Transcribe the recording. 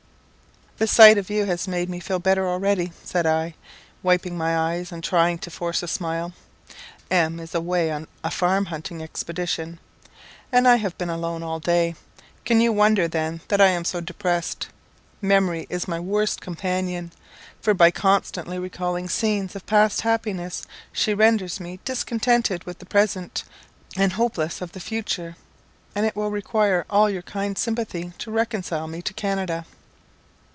"The sight of you has made me feel better already," said I, wiping my eyes, and trying to force a smile. "M is away on a farm hunting expedition, and I have been alone all day. Can you wonder, then, that I am so depressed? Memory is my worst companion; for by constantly recalling scenes of past happiness, she renders me discontented with the present, and hopeless of the future, and it will require all your kind sympathy to reconcile me to Canada."